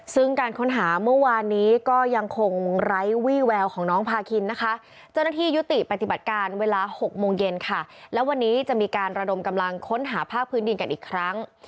ซึ่งการค้นหาเมื่อวานนี้ก็ยังคงไร้วี่แววของน้องพาคินนะคะเจ้าหน้าที่ยุติปฏิบัติการเวลา๖โมงเย็นค่ะและวันนี้จะมีการระดมกำลังค้นหาภาคพื้นดินกันอีกครั้ง